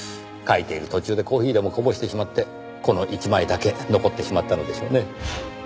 書いている途中でコーヒーでもこぼしてしまってこの１枚だけ残ってしまったのでしょうねぇ。